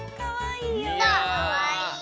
かわいいよ。